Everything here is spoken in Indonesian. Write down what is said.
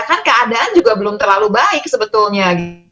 kan keadaan juga belum terlalu baik sebetulnya